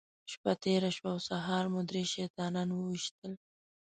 شپه تېره شوه او سهار مو درې شیطانان وويشتل.